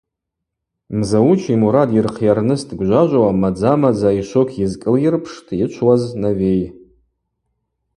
Мзауч ймурад Йырхъйарныс дгвжважвауа мадза-мадза йшвокь йызкӏылйырпштӏ Йычвуаз Навей.